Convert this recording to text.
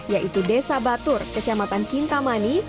yaitu desa batur kecamatan kintamani